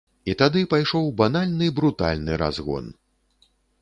І тады пайшоў банальны брутальны разгон.